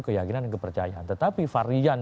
keyakinan dan kepercayaan tetapi varian